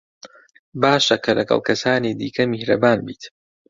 باشە کە لەگەڵ کەسانی دیکە میهرەبان بیت.